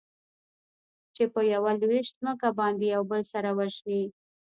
چې په يوه لوېشت ځمکه باندې يو بل سره وژني.